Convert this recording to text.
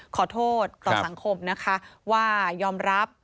ขอโทษต่อสังคมนะคะว่ายอมรับ